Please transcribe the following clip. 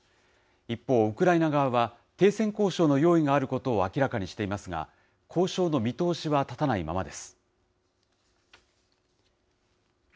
一方、ウクライナ側は、停戦交渉の用意があることを明らかにしていますが、交渉の見通しは立たないままです。